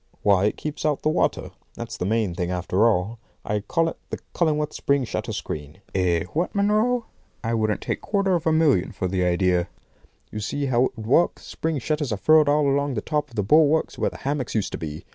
Why it keeps out the water. That's the main thing, after all. I call it the Cullingworth spring shutter screen. Eh, what, Munro? I wouldn't take a quarter of a million for the idea. You see how it would work. Spring shutters are furled all along the top of the bulwarks where the hammocks used to be.